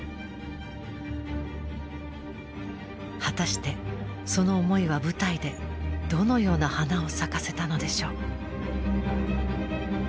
果たしてその思いは舞台でどのような花を咲かせたのでしょう？